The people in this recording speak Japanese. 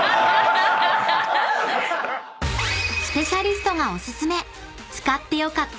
［スペシャリストがお薦め］